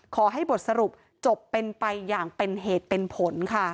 ขอให้บทสรุปจบเป็นไปอย่างเป็นเหตุเป็นผลค่ะ